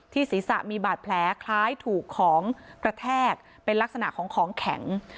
ศีรษะมีบาดแผลคล้ายถูกของกระแทกเป็นลักษณะของของแข็ง